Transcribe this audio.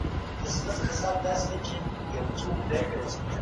دغه آيت نازل سو.